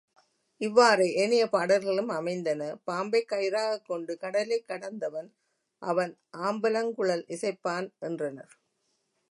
இவ்வாறே ஏனைய பாடல்களும் அமைந்தன பாம்பைக் கயிறாகக் கொண்டு கடலைக் கடந்தவன் அவன் ஆம்பலங்குழல் இசைப்பான் என்றனர்.